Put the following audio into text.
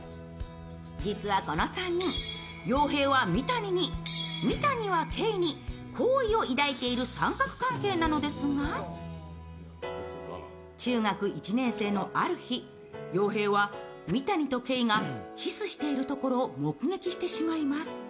実は、この３人、洋平は三谷に、三谷は慧に好意を抱いてる三角関係なのですが、中学１年のある日、洋平は三谷と慧がキスしているところを目撃してしまいます。